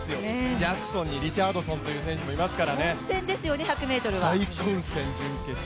ジャクソンに、リチャードソンという選手もいますから、大混戦、準決勝。